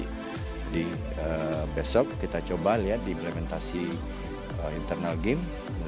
jadi besok kita coba lihat di implementasi internal game